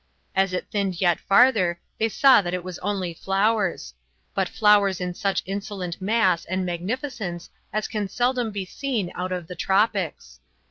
As it thinned yet farther they saw that it was only flowers; but flowers in such insolent mass and magnificence as can seldom be seen out of the tropics.